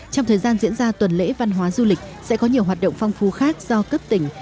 trong thời gian diễn ra tuần lễ văn hóa du lịch sẽ có nhiều hoạt động phong phú khác do cấp tỉnh